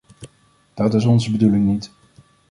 Dat is onze bedoeling niet.